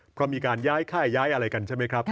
เพราะมีการย้ายค่ายย้ายอะไรกันใช่ไหมครับ